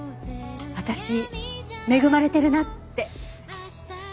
私恵まれてるなって。